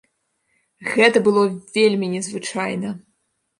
Гэта было вельмі незвычайна!